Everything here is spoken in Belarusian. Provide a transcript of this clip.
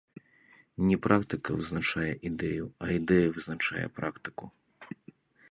Не практыка вызначае ідэю, а ідэя вызначае практыку.